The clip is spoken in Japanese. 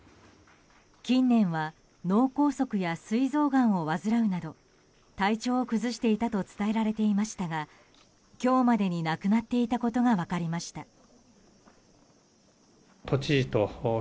近年は脳梗塞やすい臓がんを患うなど体調を崩していたと伝えられていましたが今日までに亡くなっていたことが分かりました。